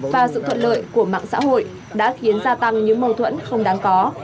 và sự thuận lợi của mạng xã hội đã khiến gia tăng những mâu thuẫn không đáng có